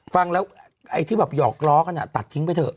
ฟังแล้วไอ้ที่หยอกล้อกันอ่ะก็ตัดทิ้งป่ะเถอะ